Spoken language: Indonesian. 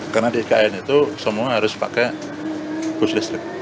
karena di ikn itu semua harus pakai bus listrik